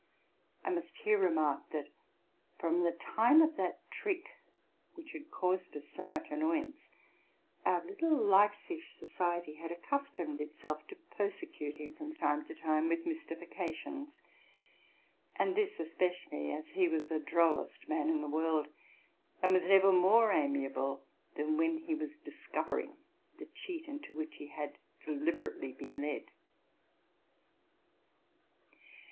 I must here remark, that, from the time of that trick which had caused us so much annoyance, our little Leipzig society had accustomed itself to persecute him from time to time with mystifications, and this especially as he was the drollest man in the world, and was never more amiable than when he was discovering the cheat into which he had deliberately been led.